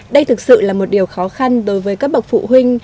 đây thực sự là một điều khó khăn đối với các bậc phụ huynh